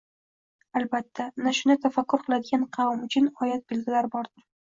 Albatta, ana shunda tafakkur qiladigan qavm uchun oyat-belgilar bordir».